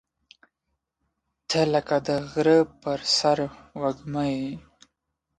• ته لکه د غره پر سر وږمه یې.